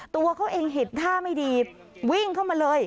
ตัวเขาเองเห็นท่าไม่ดีวิ่งเข้ามาเลย